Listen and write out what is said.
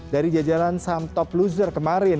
dari jajaran saham top loser kemarin